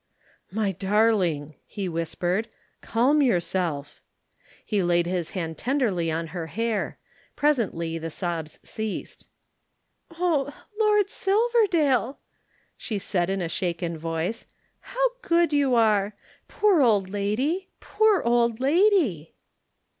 "My darling!" he whispered. "Calm yourself." He laid his hand tenderly on her hair. Presently the sobs ceased. "Oh, Lord Silverdale!" she said in a shaken voice. "How good you are! Poor old lady! Poor old lady!"